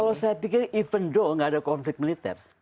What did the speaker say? kalau saya pikir even though nggak ada konflik militer